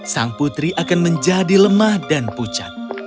sang putri akan menjadi lemah dan pucat